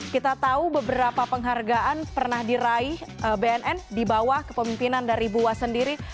kita tahu beberapa penghargaan pernah diraih bnn di bawah kepemimpinan dari buas sendiri